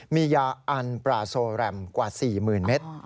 มียาอันปราโซแรมกว่า๔๐๐๐เมตร